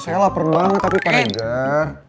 saya laper banget tapi pak regar